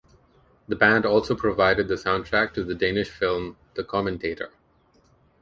The band also provided the soundtrack to the Danish film "The Commentator".